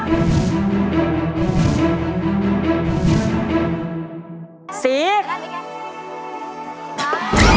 โลกฮึ้ยศาสต้าย